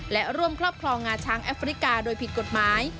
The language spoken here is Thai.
และร่วมครอบครองงาช้างแอฟริกาโดยผิดกฎหมาย